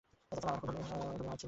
তা ছাড়া, আমার খুব ধনী হওয়া উচিত ছিল।